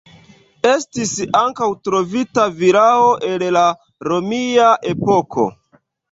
Estis ankaŭ trovita vilao el la romia epoko.